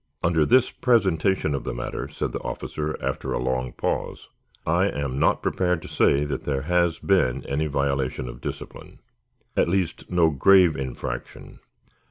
"Under this presentation of the matter," said the officer, after a long pause, "I am not prepared to say that there has been any violation of discipline. At least, no grave infraction.